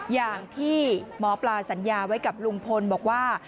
อย่างที่หมอปลาสัญญาไว้กับลุงพลบอกว่า